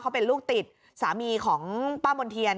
เขาเป็นลูกติดสามีของป้ามณ์เทียน